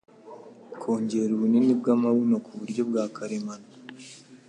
kongera ubunini bw'amabuno ku buryo bwa karemano